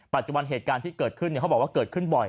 ปัจจุบันเหตุการณ์ที่เกิดขึ้นเขาบอกว่าเกิดขึ้นบ่อย